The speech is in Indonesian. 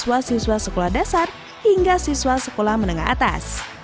siswa siswa sekolah dasar hingga siswa sekolah menengah atas